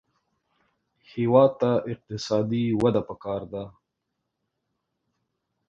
هېواد ته اقتصادي وده پکار ده